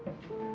kenapa tekasi in